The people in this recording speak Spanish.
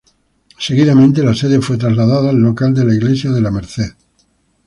Seguidamente la sede fue trasladada al local de la iglesia de La Merced.